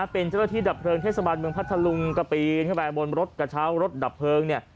เป็นเจ้าหน้าที่ดับเพลิงเทศบาลเมืองพัทธลุงก็ปีนขึ้นไปบนรถกระเช้ารถดับเพลิงเนี่ย